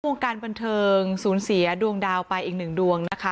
ภูมิการบรรเทิงศูนย์เสียดวงดาวไปอีกหนึ่งดวงนะคะ